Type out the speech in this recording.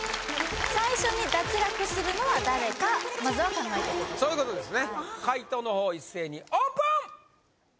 最初に脱落するのは誰かまずは考えてくださいそういうことですね解答の方一斉にオープン！